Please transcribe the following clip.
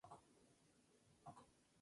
Es terrestre y ovovivípara.